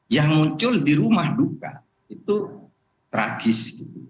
yang muncul di rumah duka itu tragis